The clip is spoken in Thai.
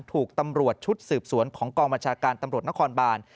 ถูกตำรวจชุดสืบสวนของกองบัญชาการตำรวจนครบาน